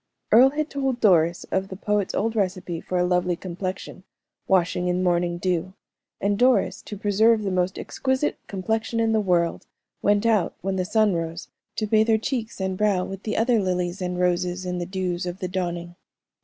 Earle had told Doris of the poet's old recipe for a lovely complexion, washing in morning dew; and Doris, to preserve the most exquisite complexion in the world, went out, when the sun rose, to bathe her cheeks and brow with the other lilies and roses in the dews of the dawning.